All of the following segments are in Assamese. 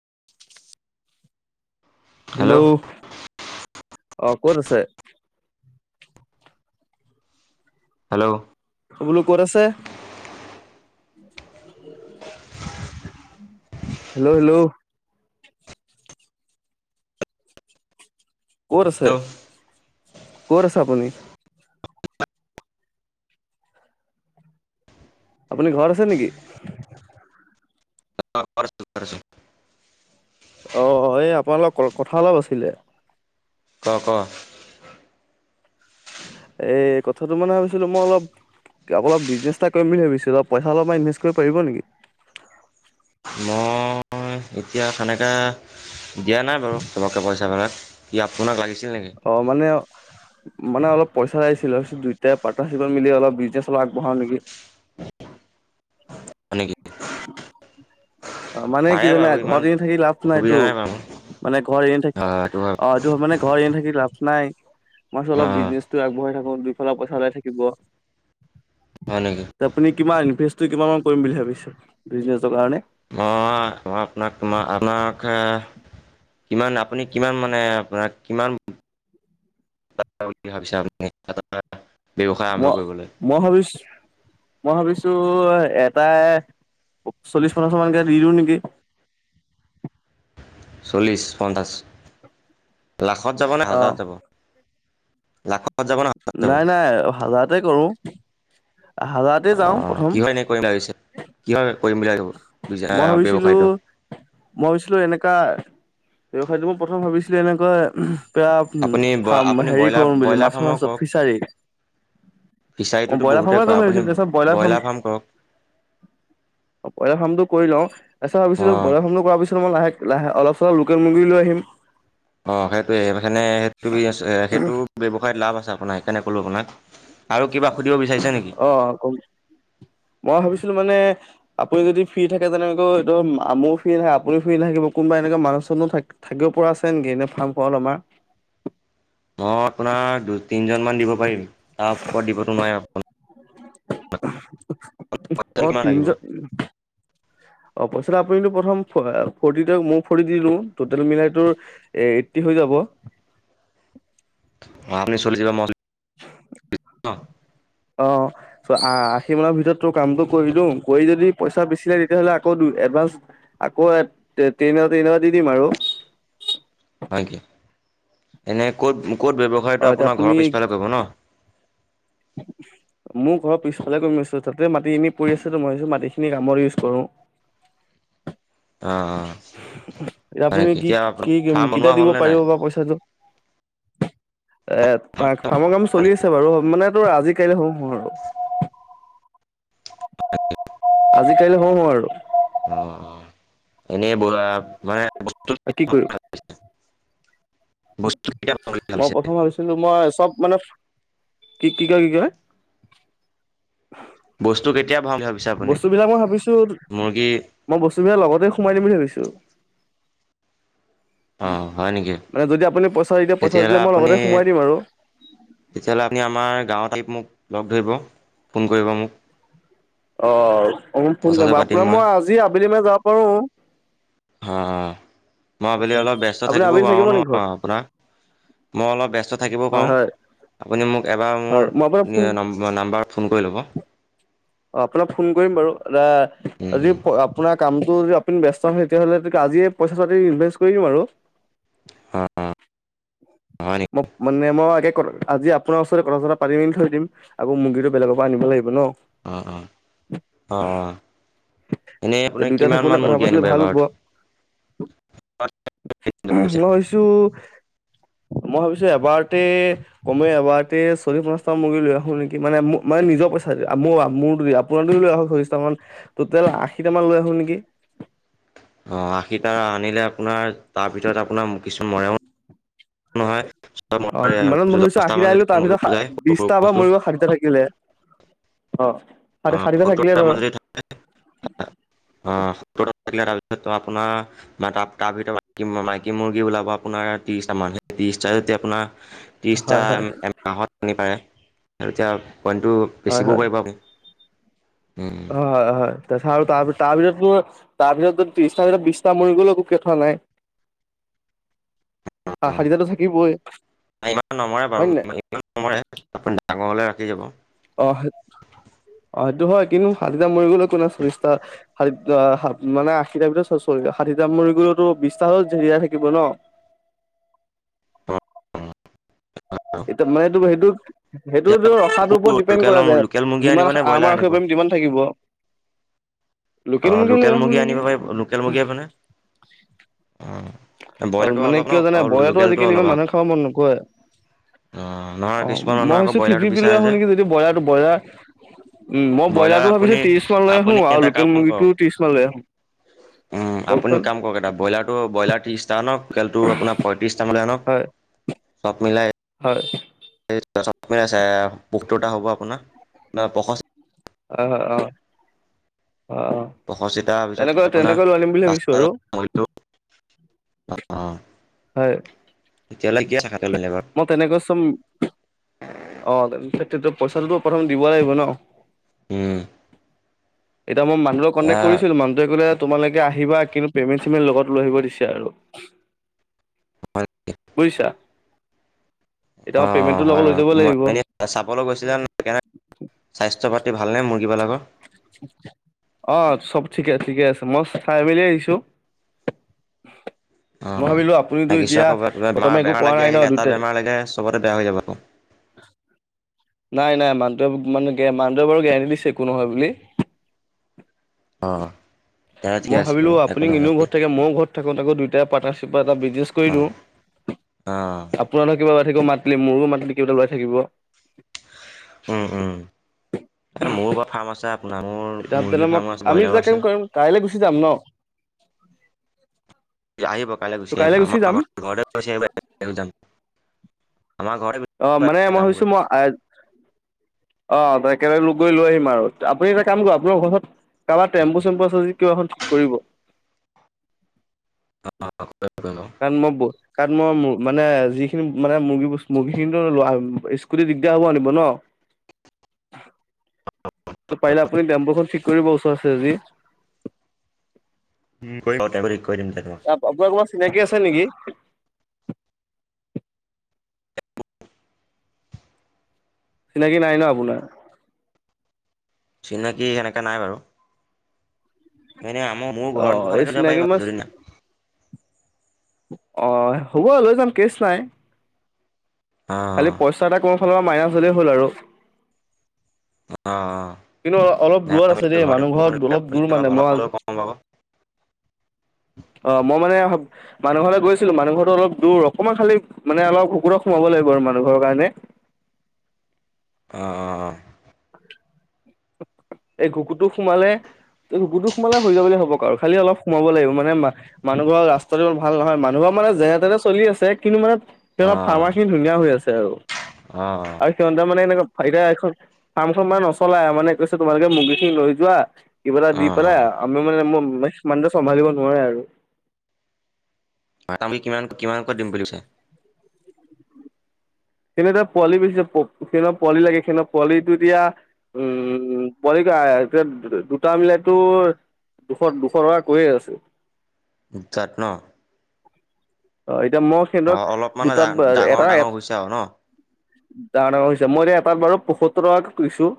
[inaudible] হেল্ল' অ' ক'ত আছে। হেল্ল'। বোলো ক'ত আছে। Hello'- hello. ক'ত আছে-ক'ত আছে আপুনি। আপুনি ঘৰত আছে নেকি। [unintelligible] অ', এই আপোনাৰ লগত কথা অলপ আছিলে। ক- ক। এ কথাটো মানে ভাবিছিলোঁ মই অলপ অলপ বিজনেছ এটা কৰিম বুলি ভাবিচিলো অলপ পইচা অলপমান ইনভেষ্ট কৰিব পাৰিব নেকি। মই এতিয়া সেনেকা দিয়া নাই বাৰু চবকে পইচাবিলাক। ই আপোনাক লাগিছে। অ', মানে মানে অলপ পইচা লাগিছিলে দুইটাই পাৰ্তনাৰ শ্বিপত মিলি অলপ বিজনেছ অলপ আগবঢ়াও নেকি। হয় নেকি [inaudible] অ', মানে কি পাৰে জানা বাৰু ইমান ঘৰত এনে থাকি লাভ অসুবিধা নাইটো নাই বাৰু হয় মানে ঘৰত এনে থাকি সেইটো হয় অ', এইটো মানে ঘৰ এনে থাকি লাভ নাই মই ভাবিছো অলপ অঁ বিজনেচটো আগবঢ়াই থাকো দুইফালে পইচা ওলাই থাকিব। হয় নেকি আপুনি কিমান ইনভেষ্ট কিমান মান কৰিম বুলি ভাবিছে বিজনেচৰ কাৰণে। মই -মই আপোনাক তোমাৰ আমাক হে কিমান আপুনি কিমান মানে আপোনাৰ কিমান [unintelligible] আৰম্ভ মই- কৰিবলৈ মই ভাবিছ মই ভাবিছো এটাই চল্লিছ পঞ্চাছ মানকে দি দিওঁ নেকি। চল্লিছ পঞ্চাছ, লাখত যাবনে অ হাজাৰত যাব। লাখত যাব নে হাজাৰত যাব নাই-নাই হাজাৰতে কৰো। হাজাৰতে যাওঁ অ', প্ৰথম। কিহৰ এনে কৰিম বুলি ভাবিছে? কিহৰ কৰিম বুলি ভাবিছে মই ব্যৱসায়টো? ভাবিছিলো- মই ভাবিছিলো এনেকা ব্যৱসায়টো মই প্ৰথম ভাবিছিলোঁ এনেকুৱা। আপুনি [unintelligible] ফাৰ্ম আপুনি হেৰি ব্ৰইলাৰ কৰোম বুলি ব্ৰইলাৰ মাছৰ ফাৰ্মৰ মাছত কৰক, ফিচাৰী। অ ফিচাৰীটোতো ব্ৰইলাৰ বহুতে ফৰ্মই কৰে, কমি আপুনি গছিল চব্ ব্ৰইলাৰ ফাৰ্ম কৰক। ফাৰ্ম ব্ৰইলাৰ ফাৰ্মটো কৰি লওঁ। তাৰ পিছত ভাবিছিলোঁ অ', ব্ৰইলা ফামটো কৰাৰ পিছত ই লাহে লাহে অলপ চলপ লোকেল মুৰ্গী লৈ আহিম। অ' সেইটোয়ে মানে সেইটো সেইটো ব্যৱসায়ত লাভ আছে আপোনাৰ তেনে ক'লো আপোনাক আৰু কিবা সুধিব বিচাৰিছে নেকি? অ' কম মই ভাবিছোঁ? কিন্তু মানে আপুনি যদি ফ্ৰী থাকে। তেনেকৈ ধৰক মইও ফ্ৰী আপুনি ফ্ৰী নাকিব কোনোবা এনেকুৱা মানুহ চুনুমন থাক থাকিব পৰা আছে নেকি এনেই ফাৰ্মখন আমাৰ মই আপোনাক দু তিনিজনমান দিব পাৰিম। তাৰ ওপৰত দিবতো নোৱাৰিম আপোনাক অ' কিমান লাগিব? তিনিজন অ' পইছাটো আপুনি কিন্তু প্ৰথম আ ফ্ৰৰ্টি দিয়ক মইও ফ্ৰৰ্টি দি দিওঁ টোটেল মিলাই টোৰ এইটটি হৈ যাব। যাব অ' আপুনি চল্লিছ হাজাৰ মইও চল্লিছ ন' অহ' তো আ আশী মানৰ ভিতৰত তোৰ কামটো কৰি দিওঁ কৰি যদি পইচা বেছি তেতিয়া হ'লে আকৌ দুই এডভান্স আকৌ ট্ৰেইন এটা ট্ৰেইন এটা দি দিম আৰু হয় কি এনে ক'ত ক'ত অ ব্যৱসায়টো এতিয়া আপোনাৰ আপুনি ঘৰৰ পিছফালে কৰিব ন? [unintelligible] মোৰ ঘৰৰ পিছফালে কৰিম আছোঁ তাতে মাটি এনে পৰি আছেতো মই ভাবিছোঁ মাটিখিনি কামত ইউজ কৰোঁ। আ এতিয়া আপুনি কি-কি বনোৱা কেতিয়া দিব হ'লনে পাৰিব নাই? বা পইচাটো? এ, ফা-ফাৰ্মৰ কাম চলি আছে বাৰু মানে তোৰ আজি কাইলে হওঁ, হওঁ আৰু। আজি, কাইলে হওঁ, হওঁ আৰু। অ', অ', এনেই [unintelligible] মানে বস্তু কি [unintelligible] বস্তু কেতিয়া পাম বুলি মই ভাবিছে? প্ৰথম ভাবিছিলোঁ মই চব মানে কি কি কা কিকলে? বস্তু কেইয়া বস্তু বিলাক মই ভাবিছো মুৰ্গী মই বস্তুবিলাক লগতে সোমাই দিম বুলি ভাবিছো। অ হয় নেকি মানে যদি আপুনি পইচা এতিয়া পইচা তেতিয়াহ'লে দিলে মই আপুনি লগতে সোমাই দিম আৰু তেতিয়াহ'লে আপুনি আমাৰ গাঁৱতাই মোক লগ ধৰিব ফোন কৰিব মোক? অ অ ফোন কথাটো কৰিম পাতিম আপোনাৰ মই আজি আবেলি মান যাব পাৰো। অ মই আবেলি আচ্ছা অলপ ব্যস্ত আপুনি থাকিব আবেলি পাৰোঁ ন নেকি ঘৰত আপোনাক? মই অলপ ব্যস্ত থাকিব হয় পাৰোঁ হয় আপুনি মোক এবাৰ হয় মোৰ মই আপোনাক ফোন নাম্বাৰত ফোন কৰি ল'ব। অ আপোনাক ফোন কৰিম বাৰু এা উম আজি উম আপোনাক কামটো যদি আপুনি ব্যস্ত নয় তেতিয়াহ'লে আজিয়ে পইচাটো ইনভেষ্ট কৰি দিম আৰু। অঁ অঁ হয় নেকি? মই মানে মই একে আজি আপোনাৰ ওচ প কথা চথা পাতি মেলি থৈ দিম আৌ মুৰ্গীটো বেলেগৰ পৰা আনিব লাগিব ন। অ অ অ অ এনে তে আপুনি দুইটা কিমান থাকোতে মান কথা মুৰ্গী পাতিলে আনিব ভাল হ'ব এবাৰত? মই ভাবিছো মই ভাবিছো এবাৰতে কমে এবাৰ চলি পঞ্চাটা মুৰগী লৈ আহো নেকি মানে নিজ পইচা দি মোৰ দ আপোনাৰোক লৈ আহ চল্লিশ টা মান। টেল আশীটামান লৈ আহো নেকি। অ আশীটা আনিলে আপোনাৰ তাৰ ভিতৰত আপোনাৰ কিছুমান মৰেম নহয়। অ তোমাৰত ম ধৰিছো দহটামান আশীটা যদি আহিলো মৰিও যায় তাৰপিছত সৰু সৰু বিশটা বস্তু মৰিব ষাঠিটা থাকিলে। [unintelligible] আৰু চাৰিটা থাকিলে ধৰ [unintelligible] সেত আপোনাৰ মতাব তাৰ ভিতৰত মাইকী মুৰ্গী ওলাব আপোনাৰ ত্ৰিশটা মান সেই ত্ৰিশটাই যে আপোনাৰ ত্ৰিছটা হয়, হয়, এমাহত কণী পাৰে আৰু এতিয়া কণীটো হয়, বেচিবও পাৰিব আপুনি। হয় হয় হয়। তেছা আৰু তাৰপিছত তাৰপিছত ত্ৰিছটা ভিতৰত বিশছটা মৰি গ'লো একো কে থোৱা নাই। [inaudible] আ ষাঠিটাটো থাকিবই ইমান নমৰে বাৰু হয় নাই? ইমান নমৰে আপুনি ডাঙৰ হ'লে ৰাখি যাব। অ। অ সেইটো হয় কিন্তু ষাঠিটা মৰি গলে একো নাই চল্লিশটা মানে [unintelligible] আশীটাৰ ভিতৰত চল্লি ষাঠিটা মৰি গলতো বিশটা জীয়াই থাকিব ন। এ মানে এইটো সেইটো সেইটোতো ৰখাটোৰ ওপৰত ডিপেণ্ড লোকেল কৰা যে লোকেল মুৰ্গী আনিব যিমান নে ব্ৰইলাৰ আনিব আমাৰসত পৰিম। কিমান থাকিব? অ লৈ লোকেল আহো মুৰ্গী নেকি? আনিব পাৰিব লোকেল মুৰ্গী অ পনে অ ব্ৰইলাৰটো মানে অলপ কিয় নক জানে আৰু ব্ৰইলাৰটো লোকেলটো আজিকালি ইমান অলপ আক মানুহে খাব মন নকৰে। আহ নহয় অ কিছুমান মই মানুহে আকৌ ভাবিছো ফিফটি ব্ৰইলাৰটো ফিফটি লৈ বিচাৰে আহো যে। নেকি যদি ব্ৰইলাৰটো ব্ৰইলাৰ উম মই ব্ৰইলাৰ ব্ৰইলাৰটো ভাবিছো আপুনি ত্ৰিশ মান লৈ আহো আপুনি আৰু এটা লোকেল কাব অন মুৰ্গীটো ত্ৰিশ মান লৈ আহো কৰক উ আপুনি কওকচোন কাম কৰক এটা ব্ৰইলাৰটো ব্ৰইলাৰ ত্ৰিছটা আনক লোকেলটো আপোনাৰ পয়ত্ৰিশটা মান লৈ আনক হয় চব মিলাই হয়। [unintelligible] চে পোকটোটা হ'ব আপোনাৰ বা পশচ অ', অ', অ'। অ', পষষ্ঠিটা পিছত তেনেকৈ আপোনাৰ তেনেকৈ লৈ আনিম বুলি ভাবিছো পাঁচটা আৰু। মৰিলেও অ হয়। তেতিয়াহ'লে কি আশা কৰিলে বাৰু মই তেনেকৈ চো অ তেয়া পইচাটোো প্ৰথম দিব লাগিব ন উম এতি মানুহক অ কটেক্ট কৰিছিলো মুহোৱে কলে তোমালোকে আহিবা কিু পেমেণ্ চমেট লগতৈ আহিব দিছে আৰু বুজিছা এতিয়া অ মই অ পেমেণ্টটো লগত হয় লৈ বাৰু যাব মই লাগিব এনে চাবলৈ গৈছিলোাস পাতচৰ পাতি ভালনেে মুৰ্গীা লগৰ অ চব ঠিকে ঠিকে আছে মই চাই মেলি আহিছো ন অ'। ভাবিলো আপুনিতো লাগিছে এতিয়া আকৌ বেমাৰ বৰ্তমান একো বেমাৰ কোৱা লাগি নাই ন আহিলে এটা দুট বেমাৰ লাগে চবতে বেয়া হৈ যাব আকৌ। [unintelligible] নাই নাই মানুহে মানে মানুহে বাৰু গেৰেণ্টি দিছে একো নহয় বুলি অ তেতিয়াহ'লে ঠিকে মই আছে ভাবিলো বাৰু একো আপুনি নহয় ইনেও যদি ঘৰত থাকে মই ঘৰত দুা থাকিব অ', অ', মাতিলে মোৰো মাতিলে কিবাটাওাই থাকিব উম উম এ মোৰোৰ ফাৰ্ম আছে আপোনাৰ মোৰ এতিয়া তেনে মুৰ্গী মই ফাৰ্মো আছে আমি ব্ৰইলাৰো তেতিয়া কাম আছে কৰিম কাইলৈ গুচি যাম ন আহিব কাইলৈ গুচি আহিব আমাৰ ঘ ঘৰতে গুি আহিব যাম আমাৰ ঘৰতে অ মানে মই ভাবিছো যামগৈ মই অ ত একেবগ লগ গৈ লৈ আহিম আৰু আপুনি এটা কাম কৰ আপোনাৰ ঘচৰত কাৰোবাৰ টেম্পু চেম্পু আছে যদি কিবা এখন ঠিক কৰিব অ কাৰণ মই কাৰণ মই মানে যিখিনি মানে মুৰ্গী মুৰ্গী খিনিতো ল স্কুটি দিগদাৰ হ'ব আনিব ন [unintelligible] ত পাৰিলে আপুনি ডেম্পুখন ঠিক কৰিব ওচৰত আছে আজি [unintelligible] আপোনাৰ অমান চিনাকি আছে নেকি চিনাকি নাই ন আপোনাৰ চিনাকি সেনেককা নাই বাৰু মানে আমাৰ মোৰ ঘৰ অ' এই মুখখন একেদ চিনাকি পাৰা মাছ যদি না অ হ'ব লৈ যাম কেচ নাই খালি অ', পইচা এটা কোনো ফালৰ পৰা মাইনাছ হ'লেই হ'ল আৰু অহ অ কিন্তু অলপ নাই দূৰত আমি আছে এতিয়া দেই ঘৰতে মানুহ বৰষুণ ঘৰত দিলে অলপ আপুনি দূৰ মানে মই অলপ আজ হ'লেও কম পাব। অ মই মানে মানুহ লগ গৈছিলো মানুহৰৰত অল দৰ অকণমান খালি মানে অলপ শুকুৰত সোমাব লাগিব আৰু মানু ঘৰৰ কাৰণে [unintelligible] অ অ অ এই ঘুকুটো সোমালে ুতো সোমালে হৈ যাব বুলি হ'বক আৰু খি অলপ সোমাব লাগিব মানে মানুহ ঘৰ ৰাস্তাটো ভাল নহয় মানুহক মানে যেনে তেনে চলি আছে কিন্তু মানে অ', সিলপ অ', ফাৰ্মাখিনি ধুনীয়া হৈ আছে আৰু অ', আৰু সিহঁতে মানে এনেকুৱা এতিয়া এখন ফাৰ্ম খ মানে নচলা মানে কৈছে তোমালোকে মুৰ্গী খিনি লৈ যোৱা কিবা এটা অ', দি পেলা অ', আমি মানে সিমানটো চম্ভালিব নোৱাৰে আৰু হয় তামি কিমান কিমান ক দিম বুলি কৈছে সনেৰে পোৱালি বেছি সেই পোৱালি লাগে সেই পোৱালিটো এতিয়া উম পোৱালি এতিয়া দুটা মিলাইো দুশ দুশ টকা কৈয়ে আছো মুচাত ন অ এতিয়া মই সিহঁ অ', ধৰক অলপ মানে দুটাত ডাঙৰ এটা এ ডাঙৰ হৈছে আৰু ন অ'। ডা-ডাঙৰ হৈছে, মই এতিয়া এটাত বাৰু পয়সত্তৰ টকাকে কৰিছোঁ।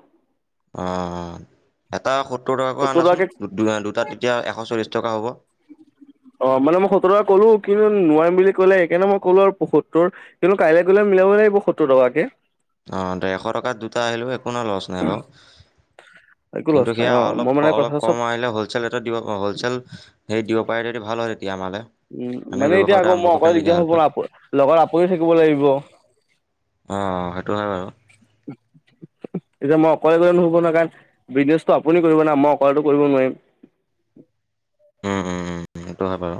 অহ'। এটা সত্তৰ টকাকৈ আনাচোন, দুটাত তেতিয়া এশ চল্লিশ টকা হ'ব। অহ' মানে মই সত্তৰ কৰো কিন্তু নোৱাৰিম বুলি ক'লে সেইকাৰণে মই ক'লো আৰু পসত্তৰ, কিন্তু কাইলৈ ক'লে মিলাব লাগিব সত্তৰ টকাকে। অহ' ডেৰশ টকাত দুটা আহিলোঁ একো লছ নাই বাৰু। একো লছ কিন্তু নাই সেয়া অ মই অলপ মানে অলপ কথাটো চব কম আহিলে হলচেল ৰেটত দিব অহ, হলচেল হেৰিত দিব। পাৰিলেতো ভাল হয়। তেতিয়া আমালে উম' আমি মানে এতিয়া ব্যৱসায়টো আকৌ আৰম্ভ মই কৰিব পাৰিম অকলে তেতিয়া দিগদাৰ হ'ব ভালকৈ ন, লগত আপুনি থাকিব লাগিব। অহ' সেইটো হয় বাৰু। [unintelligible] এতিয়া মই অকলে কৰিলে নহ'ব নহয় কাৰণ বিজনেচটো আপুনি কৰিব না, মই অকলেতো কৰিব নোৱাৰিম। [unintelligible] উম, উম, উম' সেইটো হয় বাৰু।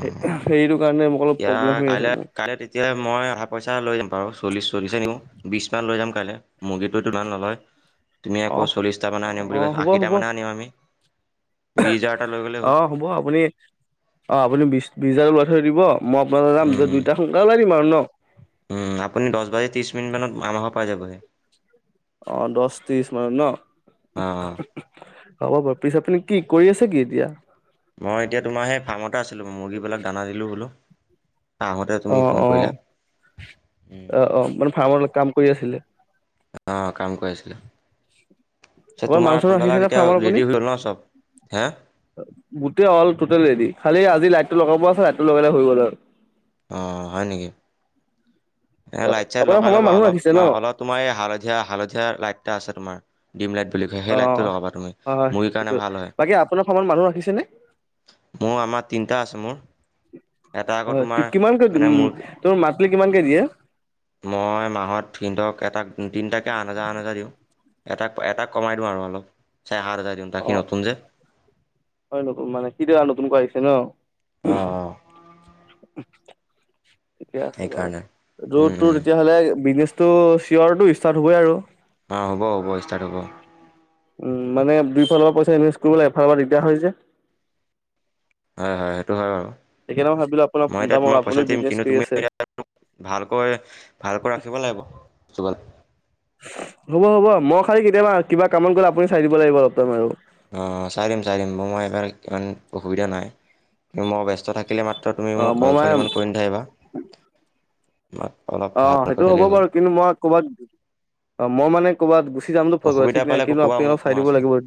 সে-সেইটো কাৰণে। অলপ এতিয়া প্ৰব্লেম হৈ আছে কাইলে, মোৰ কাইলে তেতিয়া মই অধা পইচা লৈ যাম বাৰু, চল্লিশ চল্লিশ নিনিওঁ বিশ মান লৈ যাম। পাইলে মুৰ্গীটোত ইমান নলয়। তুমি অ আকৌ চলিটা মানে আনিম বুলি কৈছা, আশীটা মান হে আনিম আমি। বিছ হাজাৰ এটা লৈ গ'লেই হ'ল অহ' হ'ব আপুনি অহ, আপুনি বিশ বিশ হাজাৰ ল থৈ দিব মই আপোনালে যাম উম যে উম দুইটা সোনকাল ওলাই দিম আৰু ন। উম' আপুনি দহ বাজি ত্ৰিশ মিনিট মানত আমাহৰ ঘৰৰ পাই যাবহি। অহ' দহ ত্ৰিশ মানত ন। অঁ অঁ হ'ব বাৰু পিছ, আপুনি কি কৰি আছে কি এতিয়া। মই এতিয়া তোমাৰ সেই ফাৰ্মতে আছিলো মুৰ্গীবিলাক দানা দিলো বোলো। আহোঁতে তুমি অহ', ফোন কৰিলা অহ'। অহ', অহ' মানে ফাৰ্মৰ কাম কৰি আছিলে। অহ' কাম কৰি আছিলো। পিছে আপোনাৰ তোমাৰ মানুহ চানুহ পাবালা ৰাখিছেনে এতিয়া ফাৰ্মত আপুনি ৰেডি হৈ গ'ল ন চব। হে গোটেই অল টোটেল ৰেদি। খালি আজি লাইটটো লগাব পৰা আছে, লাইটটো লগালে হৈ গ'ল আৰু। অহ' হয় নেকি? এ আৰু লাইট চাইট আপোনাৰ লগাই ফাৰ্মত ল'বা মানুহ অলপ, ৰাখিছে ন অলপ তোমাৰ এই হালধীয়া হালধীয়া লাইট এটা আছে তোমাৰ। ডিম লাইট বুলি কয়, সেই অ লাইটটো লগাবা তুমি হয় হয় মুগীৰ কাৰণে সেইটো ভাল হয়। বাকী আপোনাৰ ফাৰ্মত মানুহ ৰাখিছে নে মোৰ আমাৰ তিনিটা আছে মোৰ, এটা আগত তোমাৰ মানে মোৰ সি কিমানকে দিয়ে। মই মাহত সিহঁতক এটাক তিনটাকে আঠ হাজাৰ, আঠ হাজাৰ দিওঁ। এটাক এটা কমাই দিওঁ আৰু অলপ, চাৰে সাত হাজাৰ দিওঁ অ সি নতুন যে। হয় নতুন মানে কিতা নতুন কৰা আহিছে ন। অঁ অঁ [unintelligible] থিকে আছে বাৰু। সেইকাৰণে এইটো উম উম তোৰ তেতিয়াহ'লে বিজনেচটো চিয়ৰটো ষ্টাৰ্ট হ'বই আৰু। অহ' হ'ব হ'ব। ষ্টাৰ্ট হ'ব। উম' মানে দুইফালৰ পৰা পইচা ইনভেষ্ট কৰিবলৈ এফালৰ পৰা দিগদাৰ হয় যে। হয় হয় সেইটো হয় বাৰু। সেইকাৰণে মই ভাবিলো আপোনাৰ মই ফোন এতিয়া এটা কৰো, তোমাক পইচা আপুনি দিম কিন্তু বিজনেছ কৰি তুমি আছে। এতিয়া ভালকৈ ভালকৈ ৰাখিব লাগিব। [unintelligible] হ'ব হ'ব মই খালী কেতিয়াবা কিবা কামত গ'লে আপুনি চাই দিব লাগিব অলপ টাইম আৰু। অঁ চাই দিম চাই দিম মোৰ মই এইবাৰ ইমান অসুবিধা নাই মই ব্যস্ত থাকিলে মাত্ৰ তুমি অ মোক মই কলচল ইমান মানে কৰি নেথাকিবা। আমাক অলপ ভাল কৰি দিলেই হ'ল। কবাত, মই মানে কৰ'বাত গুচি [unintelligible] অসুবিধা ঠিক নাই পালে কিন্তু ক'বা আপুনি অলপ মোক চাই মই দিব আছোঁ লাগিবই।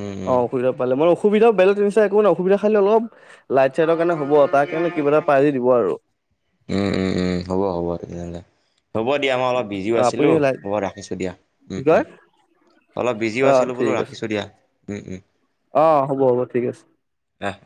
উম অহ, এতিয়া অসুবিধা পালে মই অ সুবিধা বেলেগ তেনেকা একো নাই, অসবিধা খালি অলপ লাইট চাইটৰ কাৰণে হ'ব, তাৰ কাৰণে কিবা এটা পাৰি দিব আৰু। উম উম উম উম হ'ব হ'ব তেতিয়া হ'লে। হ'ব দিয়া মই অলপ বিজিও অ আপুনি আছিলোঁ লাইট হব ৰাখিছোঁ দিয়া কি উম কয় উম অলপ বিজিও অ আছিলো বোলো ঠিক আছে ৰাখিছো দিয়া উম উম অ হ'ব হ'ব ঠিক আছে ৰাখ